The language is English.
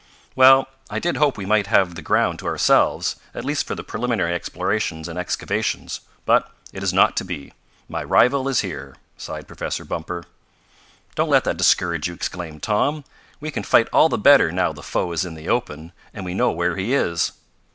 "Well, I did hope we might have the ground to ourselves, at least for the preliminary explorations and excavations. But it is not to be. My rival is here," sighed Professor Bumper. "Don't let that discourage you!" exclaimed Tom. "We can fight all the better now the foe is in the open, and we know where he is."